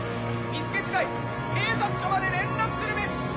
見つけ次第警察署まで連絡するべし。